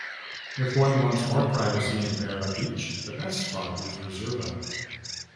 If one wants more privacy in Barra beach, the best spot is Reserva.